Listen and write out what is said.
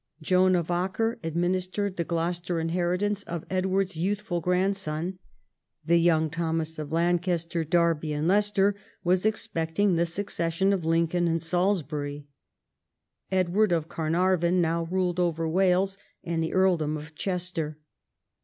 Joan of Acre administered the Gloucester inheritance of Edward's youthful grandson. The young Thomas of Lancaster, Derby, and Leicester was expecting the succession of Lincoln and Salisl)ury. Edward of Carnarvon now ruled over Wales and the earl dom of Chester.